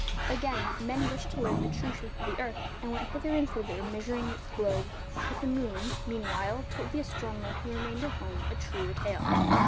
Again, men wished to learn the true shape of the earth, and went hither and thither measuring its globe; but the moon, meanwhile, told the astronomer who remained at home a truer tale.